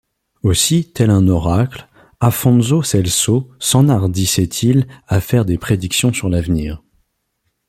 Aussi, tel un oracle, Afonso Celso s’enhardissait-il à faire des prédictions sur l’avenir.